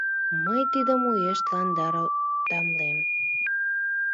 Мый тидым уэш тыланда радамлем.